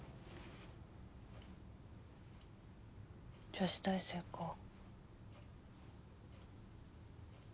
女子大生かぁ。